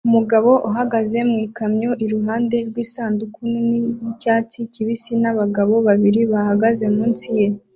Umugabo uhagaze mu gikamyo iruhande rw'isanduku nini y'icyatsi kibisi n'abagabo babiri bahagaze munsi ye